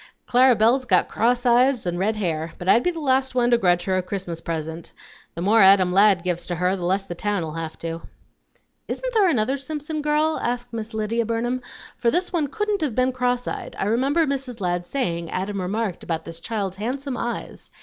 "Clara Belle's got cross eyes and red hair, but I'd be the last one to grudge her a Christmas present; the more Adam Ladd gives to her the less the town'll have to." "Isn't there another Simpson girl?" asked Miss Lydia Burnham; "for this one couldn't have been cross eyed; I remember Mrs. Ladd saying Adam remarked about this child's handsome eyes.